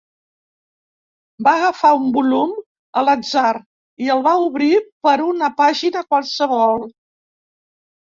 Va agafar un volum a l'atzar i el va obrir per una pàgina qualsevol.